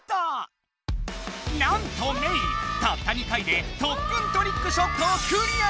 なんとメイたった２回で特訓トリックショットをクリアしてしまった！